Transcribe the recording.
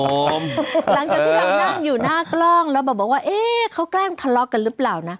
หลังจากที่เรานั่งอยู่หน้ากล้องแล้วบอกว่าเอ๊ะเขาแกล้งทะเลาะกันหรือเปล่านะ